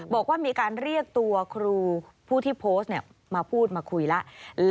บอกว่ามีการเรียกตัวครูผู้ที่โพสต์มาพูดมาคุยแล้ว